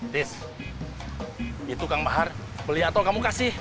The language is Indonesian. dis itu kang bahar beli atau kamu kasih